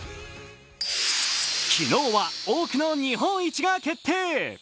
昨日は多くの日本一が決定。